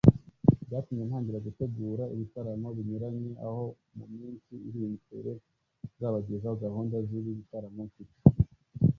Byatumye ntangira gutegura ibitaramo binyuranye aho mu minsi iri imbere nzabagezaho gahunda z’ibi bitaramo mfite